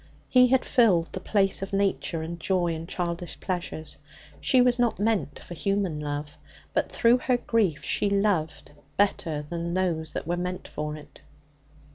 He had filled the place of nature and joy and childish pleasures. She was not meant for human love. But through her grief she loved better than those that were meant for it.